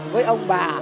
với ông bà